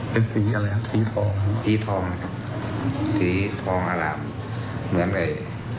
เป็นสีอะไรครับสีทองสีทองนะครับสีทองอารามเหมือนไอ้